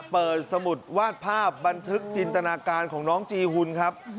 สมุดวาดภาพบันทึกจินตนาการของน้องจีหุ่นครับ